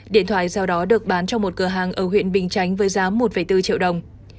điện thoại sau đó được bán cho một cửa hàng ở huyện bình chánh với giá một bốn triệu đồng